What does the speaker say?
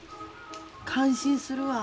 感心するわ。